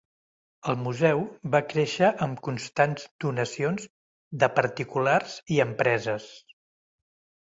El Museu va créixer amb constants donacions de particulars i empreses.